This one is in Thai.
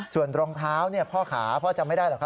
ส่วนรองเท้าเนี่ยพ่อขาพ่อจำไม่ได้หรอกค่ะ